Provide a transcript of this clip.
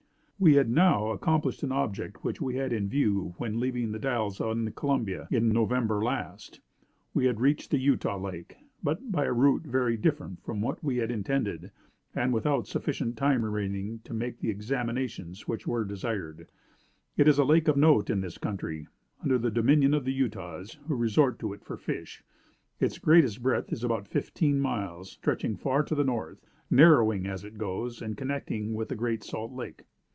"We had now accomplished an object we had in view when leaving the Dalles of the Columbia in November last; we had reached the Utah Lake; but by a route very different from what we had intended, and without sufficient time remaining to make the examinations which were desired. It is a lake of note in this country, under the dominion of the Utahs, who resort to it for fish. Its greatest breadth is about fifteen miles, stretching far to the north, narrowing as it goes, and connecting with the Great Salt Lake.